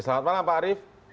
selamat malam pak arief